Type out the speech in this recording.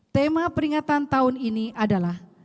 tema peringatan tahun ini adalah